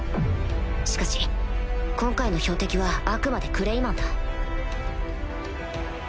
しかし今回の標的はあくまでクレイマンだ